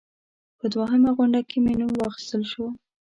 په دوهمه غونډه کې مې نوم واخیستل شو.